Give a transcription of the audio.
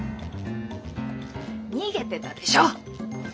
逃げてたでしょ！